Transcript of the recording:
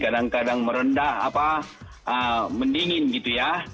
kadang kadang merendah mendingin gitu ya